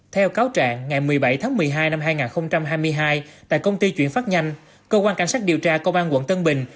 theo cáo trạng ngày một mươi bảy tháng một mươi hai năm hai nghìn hai mươi hai tại công ty chuyển phát nhanh cơ quan cảnh sát điều tra công an quận tân bình